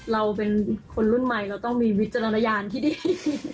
เราเป็นคนรุ่นใหม่เราต้องมีวิจารณญาณที่ดี